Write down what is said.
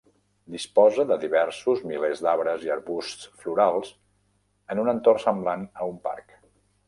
Disposa de diversos milers d'arbres i arbusts florals en un entorn semblant a un parc.